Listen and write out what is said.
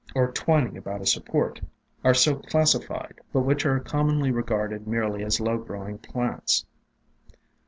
THE DRAPERY OF VINES or twining about a support, are so classified, but which are commonly re garded merely as low growing plants.